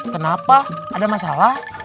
kenapa ada masalah